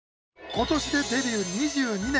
今年でデビュー２２年。